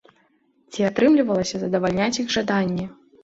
Ці атрымлівалася задавальняць іх жаданні?